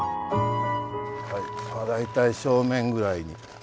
はい大体正面ぐらいに。